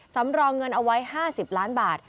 สำรองเงินเอาไว้๕๐ล้านบาท